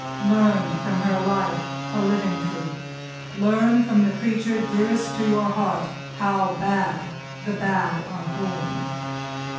Learn from her life, a living truth. Learn from the creature dearest to your heart, how bad the bad are born.